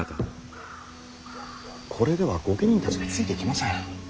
これでは御家人たちがついてきません。